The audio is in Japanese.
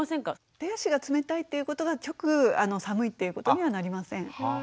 手足が冷たいっていうことが直寒いっていうことにはなりません。